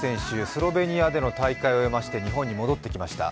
スロベニアでの大会を終えて日本に戻ってきました。